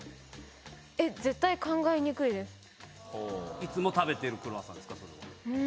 いつも食べてるクロワッサンですか？